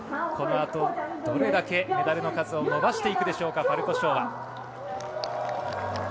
このあと、どれだけメダルの数を伸ばしていくでしょうかファルコショーワ。